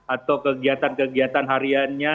atau kegiatan kegiatan hariannya